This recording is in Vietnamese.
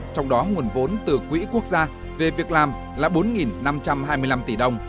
trong đó nguồn vốn từ quỹ quốc gia về việc làm là bốn năm trăm hai mươi năm tỷ đồng